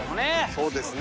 そうですね。